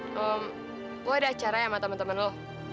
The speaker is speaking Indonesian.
lo ada acara ya sama temen temen lo